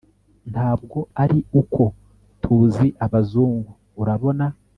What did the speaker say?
ntabwo ari uko turi abazungu, urabona